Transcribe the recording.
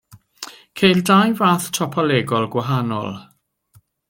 Ceir dau fath topolegol gwahanol.